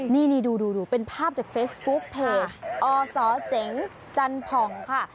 นี่ดูเป็นภาพจากเฟซบุ๊กเพจอสเจ๋งจันผ่องค่ะ